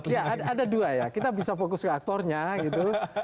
ya ada dua ya kita bisa fokus ke aktornya gitu